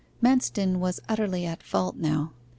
Manston was utterly at fault now.